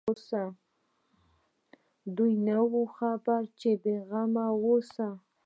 دوى نه خبروم بې غمه اوسه.